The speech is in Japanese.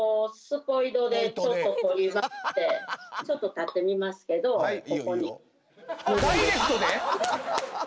ちょっと立ってみますけどここに。